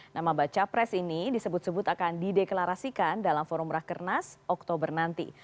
nama baca pres ini disebut sebut akan dideklarasikan dalam forum rakernas oktober nanti